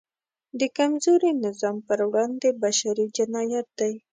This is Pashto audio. د کمزوري نظام پر وړاندې بشری جنایت دی.